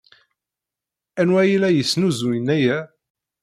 Anwa ay la yesnuzuyen aya?